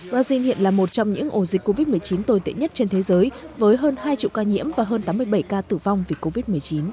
brazil hiện là một trong những ổ dịch covid một mươi chín tồi tệ nhất trên thế giới với hơn hai triệu ca nhiễm và hơn tám mươi bảy ca tử vong vì covid một mươi chín